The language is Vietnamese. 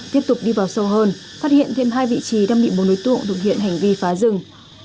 tiếp tục đi vào sâu hơn phát hiện thêm hai vị trí đang bị bốn đối tượng thực hiện hành vi phá rừng